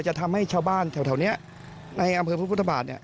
จะทำให้ชาวบ้านแถวนี้ในอำเภอพุทธบาท